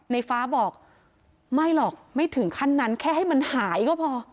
ในฟ้าบอกไม่หรอกไม่ถึงขั้นนั้นแค่ให้มันหายก็พอ